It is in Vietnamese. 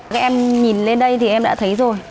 các em nhìn lên đây thì em đã thấy rồi